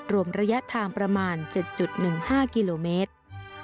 รวมระยะทางประมาณ๗๑๕กิโลเมตร